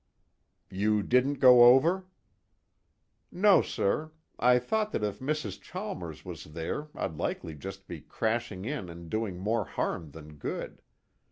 "You didn't go over?" "No, sir. I thought that if Mrs. Chalmers was there I'd likely just be crashing in and doing more harm than good.